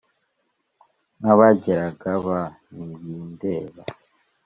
Nk’abigiraga ba ntibindeba,